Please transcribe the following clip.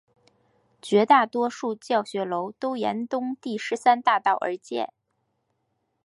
绝大多数教学楼都沿东第十三大道而建。